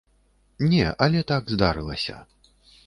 Не, але так здарылася.